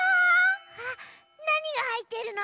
あなにがはいってるの？